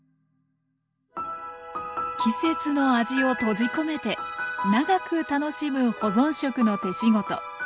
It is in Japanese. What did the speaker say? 季節の味を閉じ込めて長く楽しむ保存食の手仕事。